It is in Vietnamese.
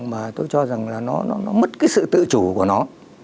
mà tôi cho rằng là nó mất cái sự tự chủ của nó